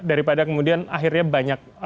daripada kemudian akhirnya banyak